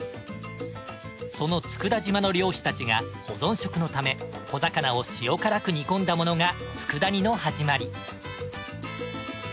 その佃島の漁師たちが保存食のため小魚を塩辛く煮込んだものが佃煮の始まり。